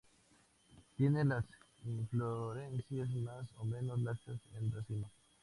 Tiene las inflorescencias, más o menos, laxas en racimo.